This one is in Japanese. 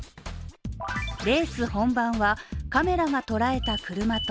レース本番はカメラが捉えた車と